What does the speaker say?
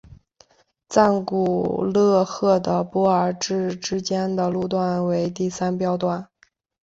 赞古勒赫的波尔至之间的路段为第三标段。